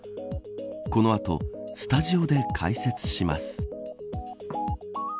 この後、スタジオで解説します。